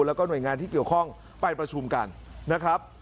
แล้วก็หน่วยงานที่เกี่ยวข้องไปประชุมกันนะครับ